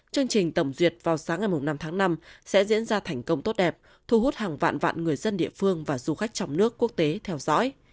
chương trình tổng duyệt vào sáng ngày năm tháng năm sẽ diễn ra thành công tốt đẹp thu hút hàng vạn người dân địa phương và du khách trong nước quốc tế theo dõi